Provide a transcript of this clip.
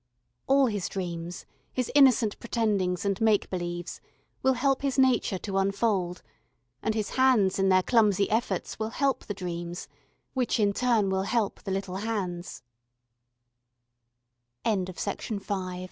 All his dreams, his innocent pretendings and make believes, will help his nature to unfold, and his hands in their clumsy efforts will help the dreams, which in turn will help th